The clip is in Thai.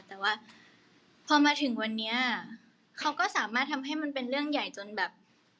แต่ว่าพอมาถึงวันนี้เขาก็สามารถทำให้มันเป็นเรื่องใหญ่จนแบบ